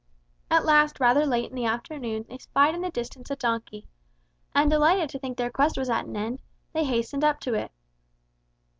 At last rather late in the afternoon they spied in the distance a donkey, and delighted to think their quest was at an end, they hastened up to it.